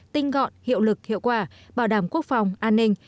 tinh gọn hiệu lực hiệu quả bảo đảm quốc phòng an ninh